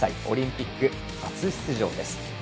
オリンピック初出場です。